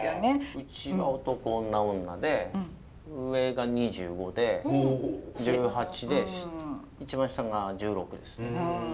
うちは男女女で上が２５で１８で一番下が１６です。